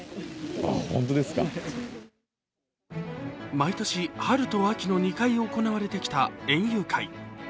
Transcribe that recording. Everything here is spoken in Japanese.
毎年、春と秋の２回行われてきた園遊会。